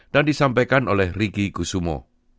dan disampaikan oleh riki kusumo